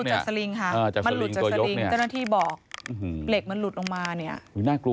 หลุดจากสลิงที่นะค่ะ